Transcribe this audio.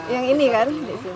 yang ini kan